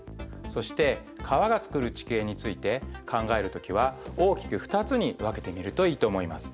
そして川がつくる地形について考える時は大きく２つに分けてみるといいと思います。